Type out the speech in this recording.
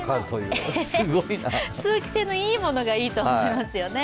通気性のいいものがいいと思いますよね。